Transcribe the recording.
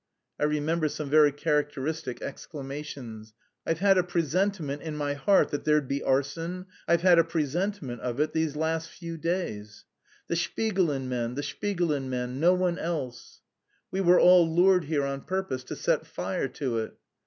I remember some very characteristic exclamations: "I've had a presentiment in my heart that there'd be arson, I've had a presentiment of it these last few days!" "The Shpigulin men, the Shpigulin men, no one else!" "We were all lured here on purpose to set fire to it!"